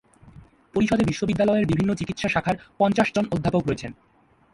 পরিষদে বিশ্ববিদ্যালয়ের বিভিন্ন চিকিৎসা শাখার পঞ্চাশ জন অধ্যাপক রয়েছেন।